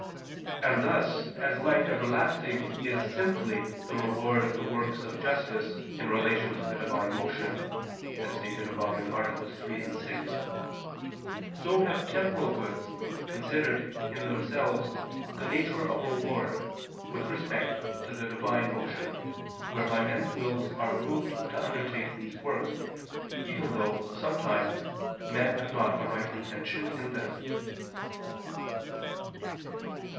And thus as life everlasting is simply the reward of the works of justice in relation to the Divine motion, as stated above (AA. 3, 6), so have temporal goods, considered in themselves, the nature of reward, with respect to the Divine motion, whereby men's wills are moved to undertake these works, even though, sometimes, men have not a right intention in them.